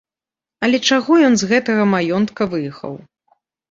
Але чаго ён з гэтага маёнтка выехаў?